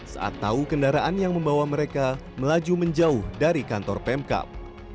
saat tahu kendaraan yang membawa mereka melaju menjauh dari kantor pemkap